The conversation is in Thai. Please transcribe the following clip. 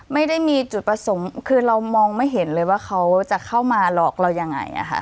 ไม่ได้มีจุดประสงค์คือเรามองไม่เห็นเลยว่าเขาจะเข้ามาหลอกเรายังไง